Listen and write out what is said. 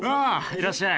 いらっしゃい！